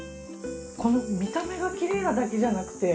この見た目がきれいなだけじゃなくて。